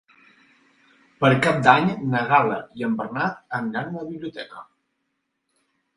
Per Cap d'Any na Gal·la i en Bernat aniran a la biblioteca.